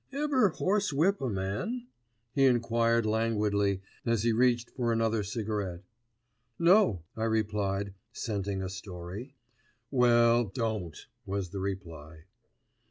"Ever horsewhip a man?" he enquired languidly as he reached for another cigarette. "No," I replied, scenting a story. "Well, don't," was the reply.